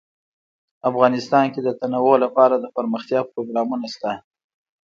افغانستان کې د تنوع لپاره دپرمختیا پروګرامونه شته.